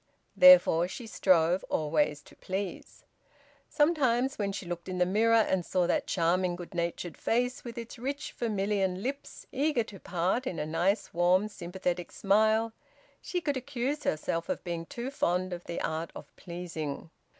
Therefore she strove always to please. Sometimes, when she looked in the mirror, and saw that charming, good natured face with its rich vermilion lips eager to part in a nice, warm, sympathetic smile, she could accuse herself of being too fond of the art of pleasing.